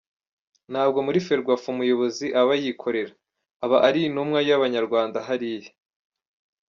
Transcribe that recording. Ntabwo muri Ferwafa umuyobozi aba yikorera, aba ari intunwa y’Abanyarwanda hariya.